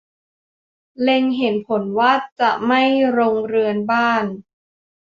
เล็งเห็นผลว่าจะไหม้โรงเรือนบ้าน